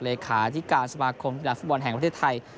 เลขาอาทิกาสมาคมธุระฟุตบอลแห่งประเทศไทย